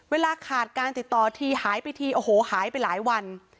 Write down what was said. เวลาขาดการติดต่อทีหายไปทีโอ้โหหายไปหลายวัน